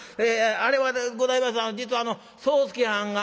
あれはでございますが実はあの宗助はんが」。